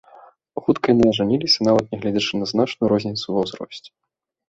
Хутка яны ажаніліся нават нягледзячы на значную розніцу ва ўзросце.